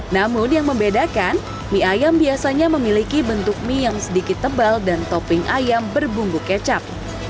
namun yang membedakan mie ayam biasanya memiliki bentuk mie yang sedikit tebal dan topping ayam berbumbu kecap